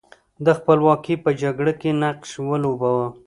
د خپلواکۍ په جګړه کې نقش ولوباوه.